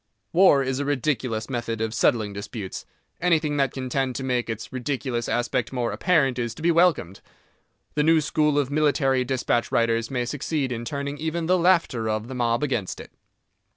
War is a ridiculous method of settling disputes. Anything that can tend to make its ridiculous aspect more apparent is to be welcomed. The new school of military dispatch writers may succeed in turning even the laughter of the mob against it.